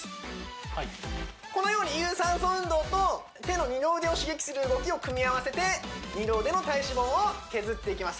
はいこのように有酸素運動と手の二の腕を刺激する動きを組み合わせて二の腕の体脂肪を削っていきます